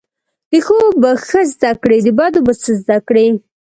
د ښو به ښه زده کړی، د بدو به څه زده کړی